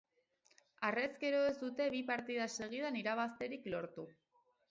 Harrezkero ez dute bi partida segidan irabazterik lortu.